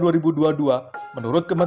menurut kementerian kehidupan